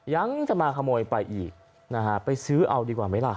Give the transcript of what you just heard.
ยังจะมาขโมยไปอีกนะฮะไปซื้อเอาดีกว่าไหมล่ะ